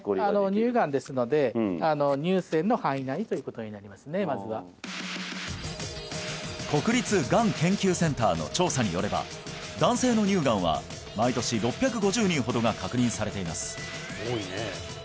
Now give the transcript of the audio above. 乳がんですので国立がん研究センターの調査によれば男性の乳がんは毎年６５０人ほどが確認されています